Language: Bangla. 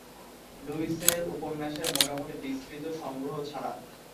লুইসের উপন্যাসের মোটামুটি বিস্তৃত সংগ্রহ ছাড়া।